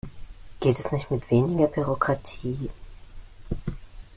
Geht es nicht mit weniger Bürokratie?